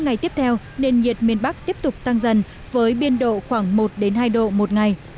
ngày tiếp theo nền nhiệt miền bắc tiếp tục tăng dần với biên độ khoảng một hai độ một ngày